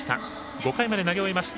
５回まで投げ終えまして